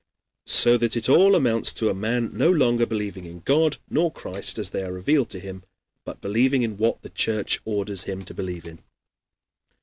So that it all amounts to a man no longer believing in God nor Christ, as they are revealed to him, but believing in what the Church orders him to believe in.